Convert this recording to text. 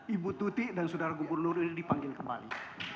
ibu tuti dan saudara gubernur ini dipanggil kembali